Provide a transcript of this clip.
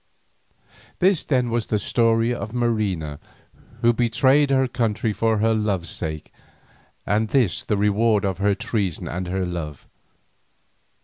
This then was the history of Marina, who betrayed her country for her love's sake, and this the reward of her treason and her love.